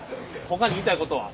ほかに言いたいことは？